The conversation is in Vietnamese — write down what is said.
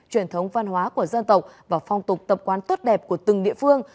truyền thống văn hóa của dân tộc và phong tục tập quán tốt đẹp của từng địa phương